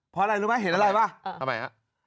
เพราะอะไรรู้ไหมเห็นอะไรป่ะทำไมฮะ